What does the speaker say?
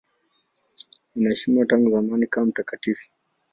Anaheshimiwa tangu zamani kama mtakatifu.